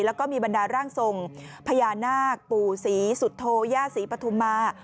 แล้วก็มีบรรดาร่างทรงพญานาคปู่ศรีสุโธย่าศรีปฐุมา